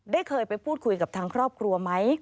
เคยไปพูดคุยกับทางครอบครัวไหม